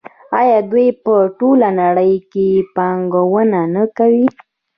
آیا دوی په ټوله نړۍ کې پانګونه نه کوي؟